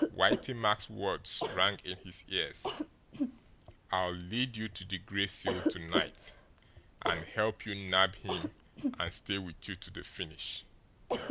Whitey Mack's words rang in his ears: "I'll LEAD you to the Gray Seal to night and help you nab him and stay with you to the finish."